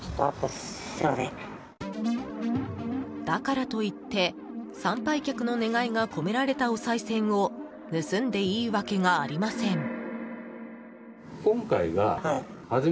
だからといって参拝客の願いが込められたおさい銭を盗んでいいわけがありません。